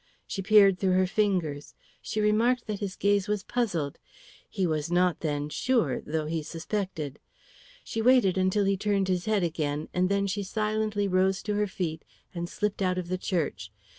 She peered between her fingers; she remarked that his gaze was puzzled; he was not then sure, though he suspected. She waited until he turned his head again, and then she silently rose to her feet and slipped out of the church.